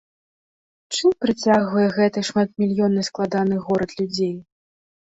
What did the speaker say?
Чым прыцягвае гэты шматмільённы складаны горад людзей?